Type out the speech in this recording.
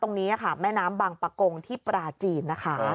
ตรงนี้ค่ะแม่น้ำบางปะกงที่ปราจีนนะคะ